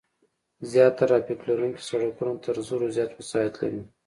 زیات ترافیک لرونکي سرکونه تر زرو زیات وسایط لري